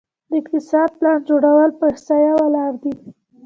د اقتصاد پلان جوړول په احصایه ولاړ دي؟